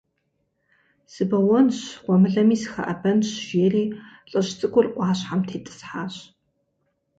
Сыбэуэнщ, гъуэмылэми сыхэӀэбэнщ, - жери лӀыжь цӀыкӀур Ӏуащхьэм тетӀысхьащ.